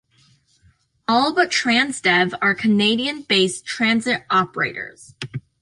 All but Transdev are Canadian-based transit operators.